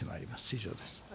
以上です。